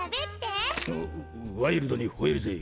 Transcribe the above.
ワワイルドに吠えるぜ！